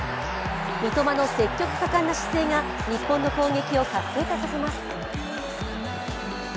三笘の積極果敢な姿勢が日本の攻撃を活性化させます。